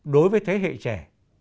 đối với thế hệ trẻ